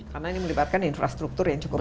karena ini melibatkan infrastruktur yang cukup